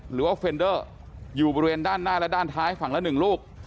หรือว่าเฟรนเดอร์อยู่บริเวณด้านหน้าและด้านท้ายฝั่งละ๑ลูก